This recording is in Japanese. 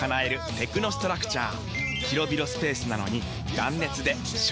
テクノストラクチャー！